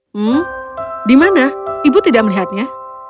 hmm di mana ibu tidak melihatnya